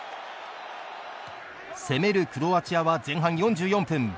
攻めるクロアチアは、前半４４分。